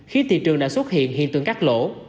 khi thị trường đã xuất hiện hiện tượng cắt lỗ